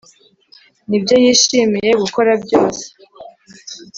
n’ibyo yishimiye gukora byose